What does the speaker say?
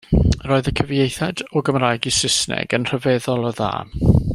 Roedd y cyfieithiad o Gymraeg i Saesneg yn rhyfeddol o dda.